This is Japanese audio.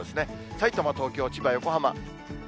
さいたま、東京、千葉、横浜。